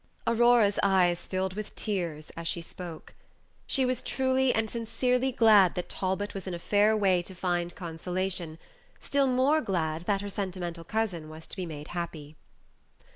Aurora's eyes filled with tears as she spoke. She was truly and sincerely glad that Talbot was in a fair way to find consolation, still more glad that her sentimental cousin was to be made happy.